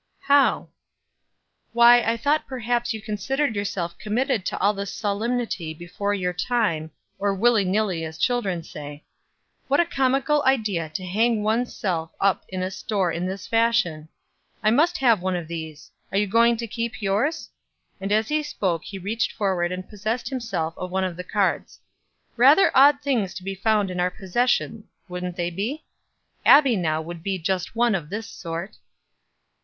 "How?" "Why I thought perhaps you considered yourself committed to all this solemnity before your time, or willy nilly, as the children say. What a comical idea to hang one's self up in a store in this fashion. I must have one of these. Are you going to keep yours?" And as he spoke he reached forward and possessed himself of one of the cards. "Rather odd things to be found in our possession, wouldn't they be? Abbie now would be just one of this sort."